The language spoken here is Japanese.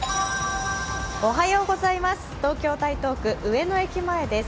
東京・台東区上野駅前です。